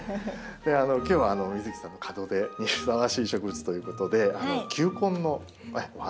今日は美月さんの門出にふさわしい植物ということで球根のお花を用意しました。